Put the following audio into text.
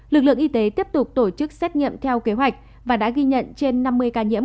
lực lượng y tế tiếp tục tổ chức xét nghiệm theo kế hoạch và đã ghi nhận trên năm mươi ca nhiễm